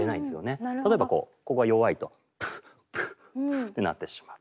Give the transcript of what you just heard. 例えばこうここが弱いと。ってなってしまう。